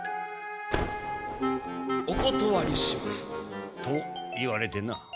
おことわりします。と言われてな。